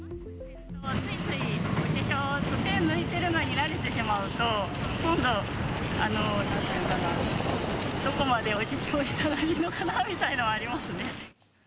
ついついお化粧を手を抜いてるのに慣れてしまうと、今度、なんていうのかな、どこまでお化粧したらいいのかなみたいなのはありますね。